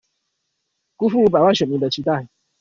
辜負五百萬選民的期待